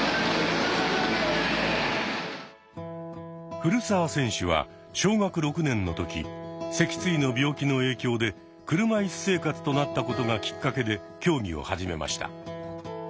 古澤選手は小学６年の時脊椎の病気の影響で車いす生活となったことがきっかけで競技を始めました。